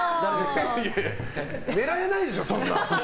狙えないでしょ、そんなん。